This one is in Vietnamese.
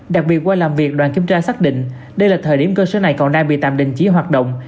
đặc biệt qua làm việc đoàn kiểm tra xác định đây là thời điểm cơ sở này còn đang bị tạm đình chỉ hoạt động